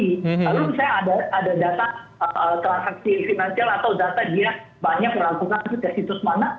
kalau misalnya ada data transaksi finansial atau data dia banyak melakukan ke situs mana